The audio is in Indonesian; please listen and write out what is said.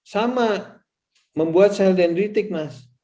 sama membuat sel dendritik mas